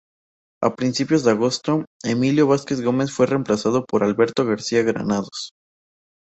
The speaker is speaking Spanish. A principios de agosto, Emilio Vázquez Gómez fue reemplazado por Alberto García Granados.